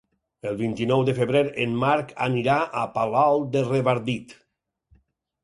El vint-i-nou de febrer en Marc anirà a Palol de Revardit.